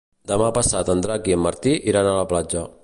Demà passat en Drac i en Martí iran a la platja.